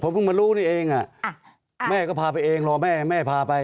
เพิ่งมารู้นี่เองแม่ก็พาไปเองรอแม่แม่พาไป